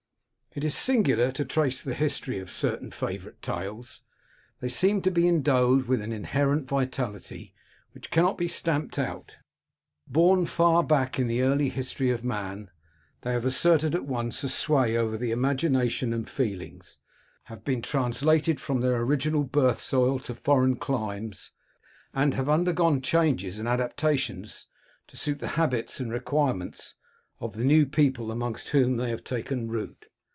It is singular to trace the history of certain favourite tales ; they seem to be endowed with an inherent vitality, which cannot be stamped out. Born far back in the early history of man, they have asserted at once a sway over the imagina tion and feelings ; have been translated from their original birth soil to foreign climes, and have under gone changes and adaptations to suit the habits and requirements of the new people amongst whom they have taken root.